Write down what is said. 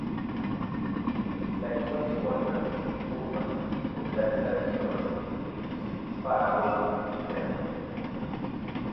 secções cônicas, curvas, interseccionando, elipse, parábola, hipérbole